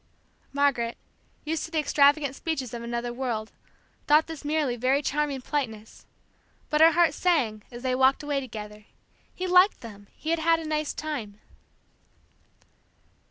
Margaret, used to the extravagant speeches of another world, thought this merely very charming politeness. But her heart sang, as they walked away together. He liked them he had had a nice time!